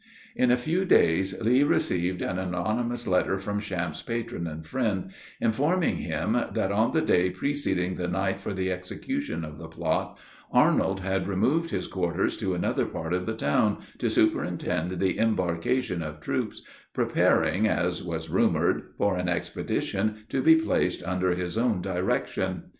In a few days, Lee received an anonymous letter from Champe's patron and friend, informing him, that on the day preceding the night for the execution of the plot, Arnold had removed his quarters to another part of the town, to superintend the embarkation of troops preparing, as was rumored, for an expedition, to be placed under his own direction.